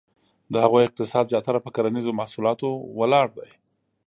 د هغو اقتصاد زیاتره په کرنیزه محصولاتو ولاړ دی.